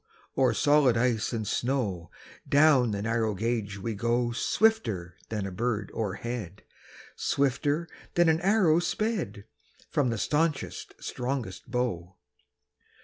Over solid ice and snow, Down the narrow gauge we go Swifter than a bird o'erhead, Swifter than an arrow sped From the staunchest, strongest bow.